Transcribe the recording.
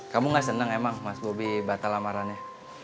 kamu gak seneng emang mas bobby batal amarannya